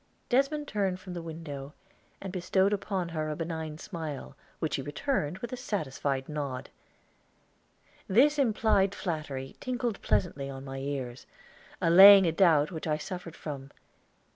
Desmond turned from the window, and bestowed upon her a benign smile, which she returned with a satisfied nod. This implied flattery tinkled pleasantly on my ears, allaying a doubt which I suffered from.